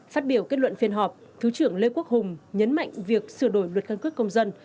phát biểu kết luận phiên họp thứ trưởng lê quốc hùng nhấn mạnh việc sửa đổi luật căn cước công dân